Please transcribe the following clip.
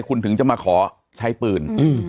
คุณถึงจะมาขอใช้ปืน